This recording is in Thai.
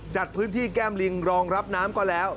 จัดพื้นที่แก้มลิงรองรับน้ำก็แล้ว